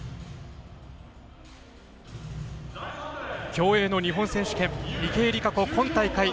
競泳の日本選手権池江璃花子、今大会